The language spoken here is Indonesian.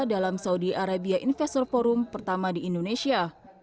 dalam saudi arabia investor forum pertama di indonesia